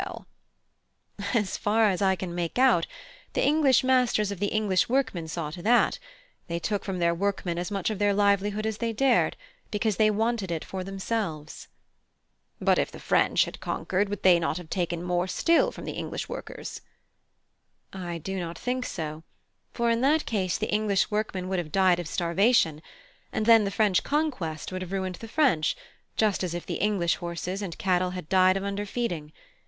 (I, laughing) As far as I can make out, the English masters of the English workmen saw to that: they took from their workmen as much of their livelihood as they dared, because they wanted it for themselves. (H.) But if the French had conquered, would they not have taken more still from the English workmen? (I) I do not think so; for in that case the English workmen would have died of starvation; and then the French conquest would have ruined the French, just as if the English horses and cattle had died of under feeding.